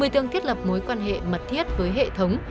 một mươi tương thiết lập mối quan hệ mật thiết với hệ thống